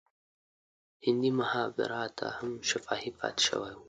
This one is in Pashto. هندي مهابهاراتا هم شفاهي پاتې شوی و.